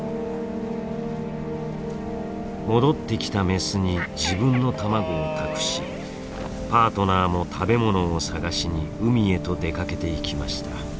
戻ってきたメスに自分の卵を託しパートナーも食べ物を探しに海へと出かけていきました。